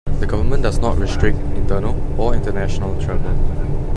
The government does not restrict internal or international travel.